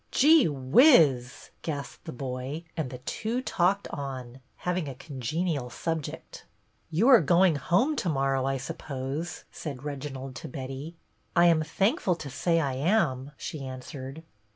" Gee whiz !" gasped the boy ; and the two talked on, having a congenial subject. "You are going home to morrow, I sup pose," said Reginald to Betty. " I am thankful to say I am," she answered.